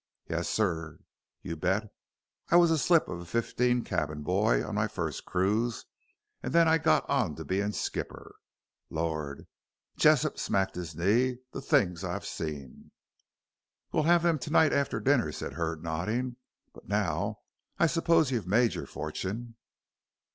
Yes, sir, you bet. I was a slip of a fifteen cabin boy on my first cruise, and then I got on to being skipper. Lord," Jessop smacked his knee, "the things I've seen!" "We'll have them to night after dinner," said Hurd, nodding; "but now, I suppose, you've made your fortune."